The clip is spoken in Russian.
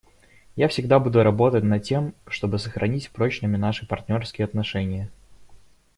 Я всегда буду работать над тем, чтобы сохранить прочными наши партнерские отношения.